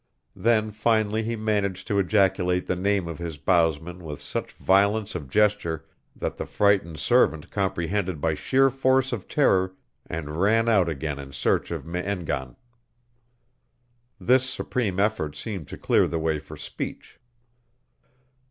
Then finally he managed to ejaculate the name of his bowsman with such violence of gesture that the frightened servant comprehended by sheer force of terror and ran out again in search of Me en gan. This supreme effort seemed to clear the way for speech.